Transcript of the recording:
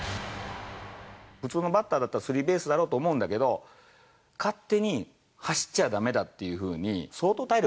普通のバッターだったらスリーベースだろうと思うんだけど、勝手に、走っちゃだめだっていうふうに、相当体力。